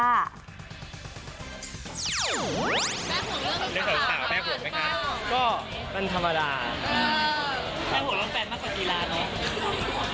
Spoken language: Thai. ได้สาวสาวแม่ห่วงไหมคะก็เป็นธรรมดาแม่ห่วงต้องแปลนมากกว่ากีฬาเนอะ